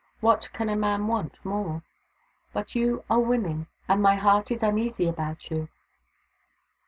What can a man want more ? But you are women, and my heart is uneasy about you."